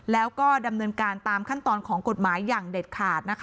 แล้วก็ดำเนินการตามขั้นตอนของกฎหมายอย่างเด็ดขาดนะคะ